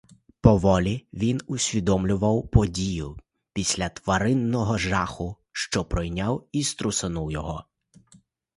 Поволі він усвідомлював подію після тваринного жаху, що пройняв і струсонув його.